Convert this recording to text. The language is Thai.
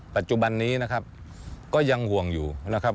ปัจจุบันนี้นะครับก็ยังห่วงอยู่นะครับ